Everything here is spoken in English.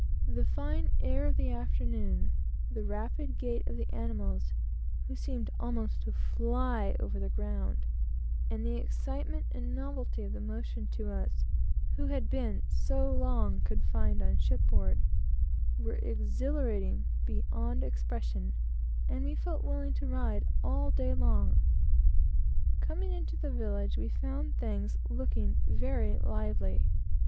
The fine air of the afternoon; the rapid rate of the animals, who seemed almost to fly over the ground; and the excitement and novelty of the motion to us, who had been so long confined on shipboard, were exhilarating beyond expression, and we felt willing to ride all day long. Coming into the village, we found things looking very lively.